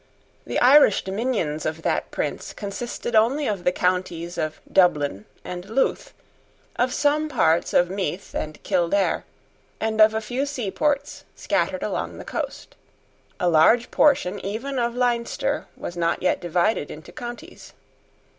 The Irish dominions of that prince consisted only of the counties of Dublin and Louth, of some parts of Meath and Kildare, and of a few seaports scattered along the coast. A large portion even of Leinster was not yet divided into counties.